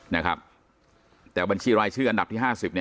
นะครับแต่บัญชีรายชื่ออันดับที่ห้าสิบเนี่ย